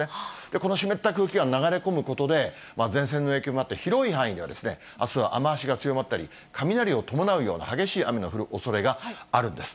この湿った空気が流れ込むことで、前線の影響もあって、広い範囲では、あすは雨足が強まったり、雷を伴うような激しい雨の降るおそれがあるんです。